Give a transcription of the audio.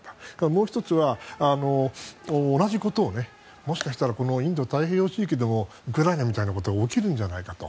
もう１つは、もしかしたらインド太平洋地域でもウクライナみたいなことが起きるんではないかと。